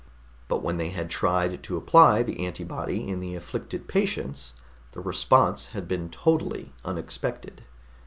But when they had tried to apply the antibody in the afflicted patients, the response had been totally unexpected.